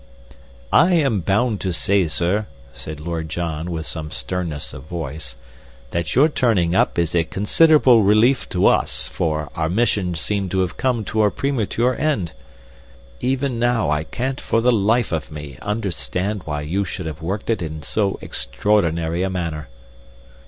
"I am bound to say, sir," said Lord John, with some sternness of voice, "that your turning up is a considerable relief to us, for our mission seemed to have come to a premature end. Even now I can't for the life of me understand why you should have worked it in so extraordinary a manner."